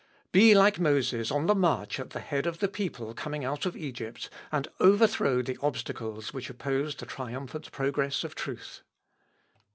Be like Moses on the march at the head of the people coming out of Egypt, and overthrow the obstacles which oppose the triumphant progress of truth."